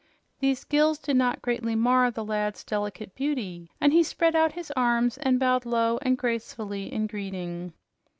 These gills did not greatly mar the lad's delicate beauty, and he spread out his arms and bowed low and gracefully in greeting.